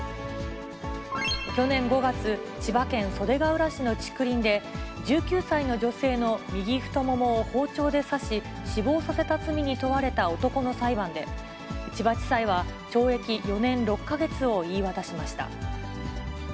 去年５月、千葉県袖ケ浦市の竹林で、１９歳の女性の右太ももを包丁で刺し、死亡させた罪に問われた男の裁判で、千葉地裁は懲役４年６か月を言い渡しました。